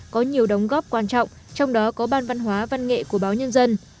có nhiều đóng góp quan trọng trong đó có ban văn hóa văn nghệ của báo nhân dân